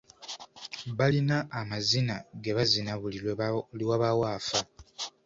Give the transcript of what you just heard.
Balina amazina ge bazina buli lwe wabaawo afa.